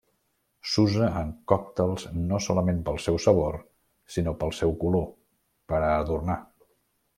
S'usa en còctels no solament pel seu sabor, sinó pel seu color, per a adornar.